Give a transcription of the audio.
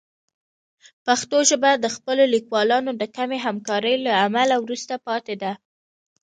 پښتو ژبه د خپلو لیکوالانو د کمې همکارۍ له امله وروسته پاتې ده.